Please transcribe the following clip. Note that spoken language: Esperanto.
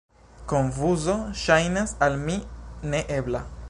Konfuzo ŝajnas al mi ne ebla.